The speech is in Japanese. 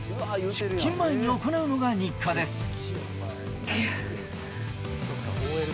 出勤前に行うのが日課です。